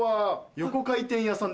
横回転屋さん？